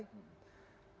dan warga juga merasa